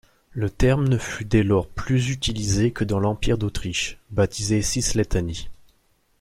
Le terme ne fut dès lors plus utilisé que dans l'Empire d'Autriche, baptisé Cisleithanie.